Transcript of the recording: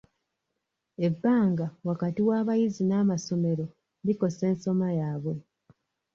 Ebbanga wakati w'abayizi n'amasomero likosa ensoma yaabwe.